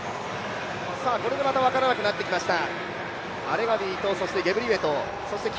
これでまた分からなくなってきました。